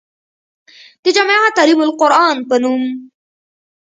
د جامعه تعليم القرآن پۀ نوم